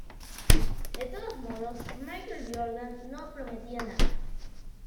De todos modos, Michael Jordan no prometía nada.